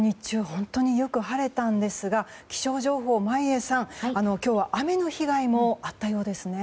本当によく晴れたんですが気象情報、眞家さん、今日は雨の被害もあったようですね。